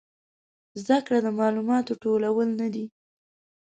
زده کړه د معلوماتو ټولول نه دي